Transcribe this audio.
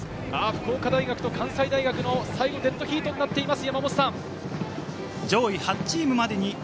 福岡大学と関西大学のデッドヒートになっています。